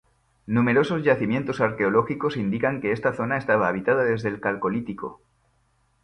Numerosos yacimientos arqueológicos indican que esta zona estaba habitada desde el Calcolítico.